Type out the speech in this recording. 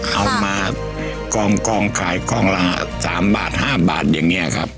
เอามากองขายกล้องละ๓บาท๕บาทอย่างนี้ครับ